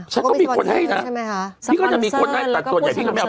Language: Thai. ฉันก็มีคนให้นะใช่ไหมคะพี่ก็จะมีคนให้แต่ส่วนใหญ่พี่ก็ไม่เอา